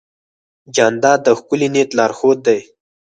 جانداد د ښکلي نیت لارښود دی.